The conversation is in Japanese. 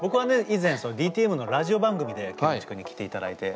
以前ＤＴＭのラジオ番組でケンモチ君に来ていただいて。